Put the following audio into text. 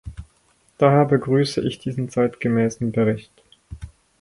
Daher begrüße ich diesen zeitgemäßen Bericht.